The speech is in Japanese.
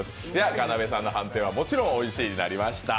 要さんの判定はもちろんおいしいになりました。